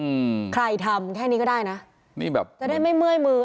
อืมใครทำแค่นี้ก็ได้นะนี่แบบจะได้ไม่เมื่อยมือ